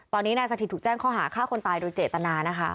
ตอนนี้นายสถิตถูกแจ้งข้อหาฆ่าคนตายโดยเจตนานะคะ